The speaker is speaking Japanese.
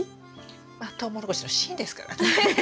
まあトウモロコシの芯ですからね。